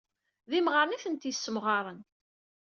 D imɣaren i tent-yesemɣaren.